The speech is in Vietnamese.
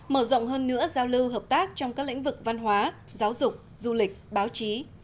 mở rộng hơn nữa giao lưu hợp tác trong các lĩnh vực văn hóa giáo dục du lịch báo chí